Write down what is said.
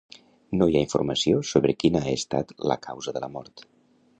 No hi ha informació sobre quina ha estat la causa de la mort.